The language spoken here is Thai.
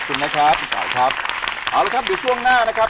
เอาละครับเดี๋ยวช่วงหน้านะครับ